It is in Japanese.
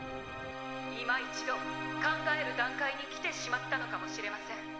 「いま一度考える段階に来てしまったのかもしれません。